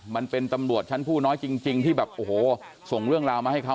มันเป็นตำรวจชั้นผู้น้อยจริงที่แบบโอ้โหส่งเรื่องราวมาให้เขา